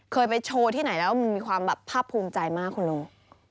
เคยไปโชว์ที่ไหนแล้วมันมีความแบบภาพภูมิใจมากคุณลุง